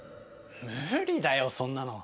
無理だよ、そんなの。